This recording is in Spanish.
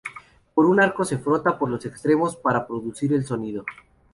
Con un arco se frota por los extremos para producir el sonido.